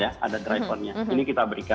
ada drivernya ini kita berikan